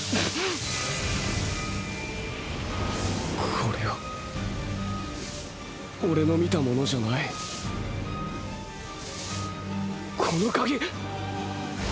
これはオレの見たものじゃないこの鍵！！